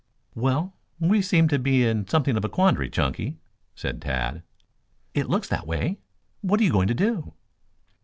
"Well, we seem to be in something of a quandary, Chunky," said Tad. "It looks that way. What are you going to do?"